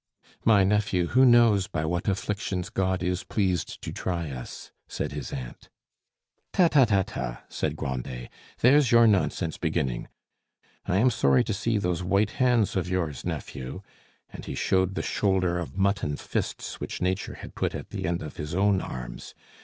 "My nephew, who knows by what afflictions God is pleased to try us?" said his aunt. "Ta, ta, ta, ta," said Grandet, "there's your nonsense beginning. I am sorry to see those white hands of yours, nephew"; and he showed the shoulder of mutton fists which Nature had put at the end of his own arms.